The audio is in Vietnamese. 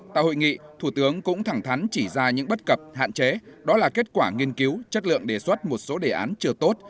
tại hội nghị thủ tướng cũng thẳng thắn chỉ ra những bất cập hạn chế đó là kết quả nghiên cứu chất lượng đề xuất một số đề án chưa tốt